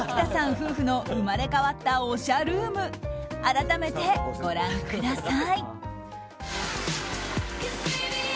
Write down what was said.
夫婦の生まれ変わったおしゃルーム改めてご覧ください！